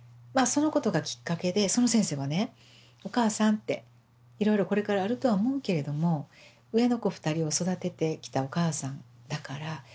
そのことがきっかけでその先生はね「お母さん」って「いろいろこれからあるとは思うけれども上の子２人を育ててきたお母さんだから同じように育てたらいいよ」って。